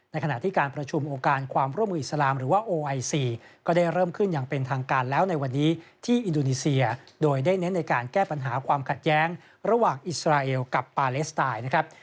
ขณะที่การประชุมองค์การความร่วมมืออิสลามหรือว่าโอไอซีก็ได้เริ่มขึ้นอย่างเป็นทางการแล้วในวันนี้ที่อินโดนีเซียโดยได้เน้นในการแก้ปัญหาความขัดแย้งระหว่างอิสราเอลกับปาเลสไตน์นะครับ